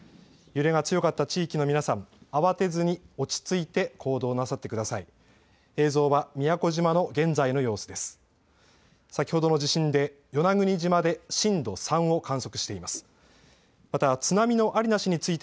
揺れが強かった地域の皆さん、慌てずに落ち着いて行動なさってください。